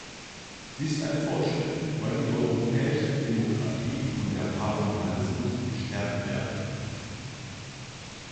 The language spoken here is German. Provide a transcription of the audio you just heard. Sie ist ein Fortschritt, weil die europäische Demokratie und der Parlamentarismus gestärkt werden.